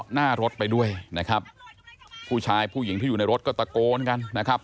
อย่าอย่าอย่าอย่าอย่าอย่าอย่าอย่าอย่าอย่าอย่าอย่าอย่าอย่าอย่า